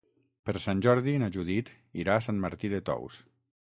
Per Sant Jordi na Judit irà a Sant Martí de Tous.